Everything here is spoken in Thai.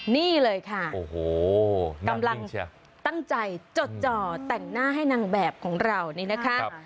นี่เลยค่ะโอ้โหกำลังตั้งใจจดจ่อแต่งหน้าให้นางแบบของเรานี่นะคะ